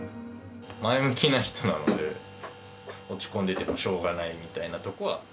前向きな人なので、落ち込んでてもしょうがないみたいなとこは。